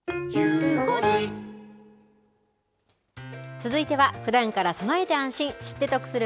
続いては、ふだんから備えて安心、知って得する！